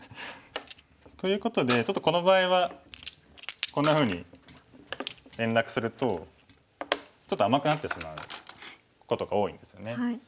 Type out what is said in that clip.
ということでちょっとこの場合はこんなふうに連絡するとちょっと甘くなってしまうことが多いんですね。